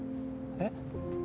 えっ？